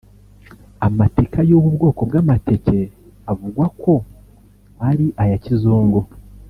Amatika y’ubu bwoko bw’amateke avugwa ko ari aya kizungu